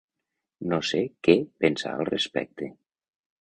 No sé què pensar al respecte.